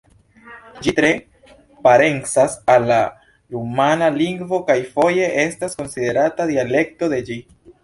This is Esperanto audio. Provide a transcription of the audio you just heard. Ĝi tre parencas al la rumana lingvo kaj foje estas konsiderata dialekto de ĝi.